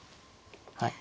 はい。